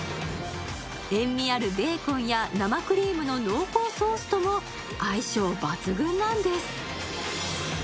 塩みあるベーコンや生クリームの濃厚ソースとも相性抜群なんです